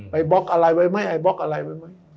ไปบล็อกอะไรไว้ไหม